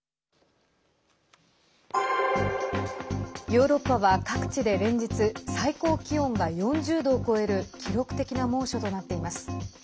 ヨーロッパは各地で連日最高気温が４０度を超える記録的な猛暑となっています。